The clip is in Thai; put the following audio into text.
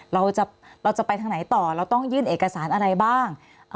เราจะไปทางไหนต่อเราต้องยื่นเอกสารอะไรบ้าง